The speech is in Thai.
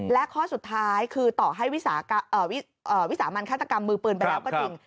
และข้อสุดท้ายคือต่อให้วิสามันฆาตกรรมมือปืนไปแล้วก็จริง